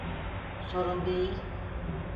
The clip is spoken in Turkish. Sorun değiI.